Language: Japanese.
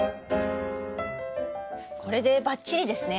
これでバッチリですね！